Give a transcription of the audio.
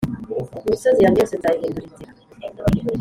Imisozi yanjye yose nzayihindura inzira